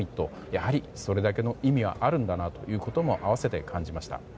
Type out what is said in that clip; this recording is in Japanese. やはり、それだけの意味はあるんだなということも併せて感じました。